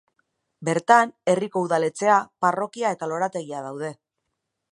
Bertan herriko Udaletxea, parrokia eta lorategia daude.